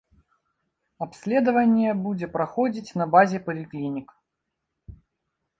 Абследаванне будзе праходзіць на базе паліклінік.